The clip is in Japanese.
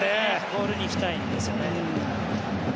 ボールに行きたいんですよね。